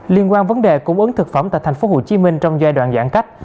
liên quan vấn đề củng ứng thực phẩm tại thành phố hồ chí minh trong giai đoạn giãn cách